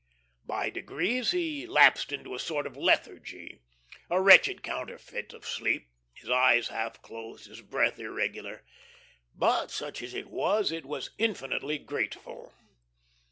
By degrees he lapsed into a sort of lethargy, a wretched counterfeit of sleep, his eyes half closed, his breath irregular. But, such as it was, it was infinitely grateful.